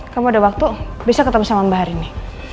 kamu ada waktu bisa ketemu sama mbak hari ini